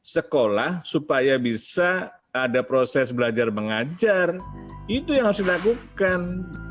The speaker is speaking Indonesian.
sekolah supaya bisa ada proses belajar mengajar itu yang harus dilakukan